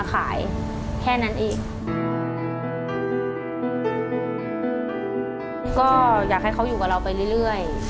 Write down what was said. ก็อยากให้เขาอยู่กับเราไปเรื่อย